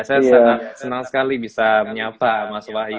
saya senang sekali bisa menyapa mas wahyu